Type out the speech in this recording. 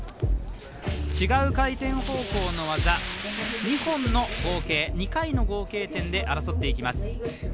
違う回転方向の技、２本の合計２回の合計点で争っていきます。